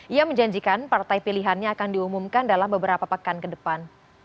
ia menjanjikan partai pilihannya akan diumumkan dalam beberapa pekan ke depan